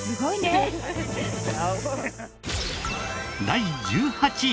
第１８位。